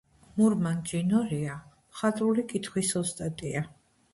მურმან ჯინორია მხატვრული კითხვის ოსტატია.